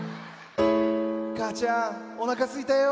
かあちゃんおなかすいたよ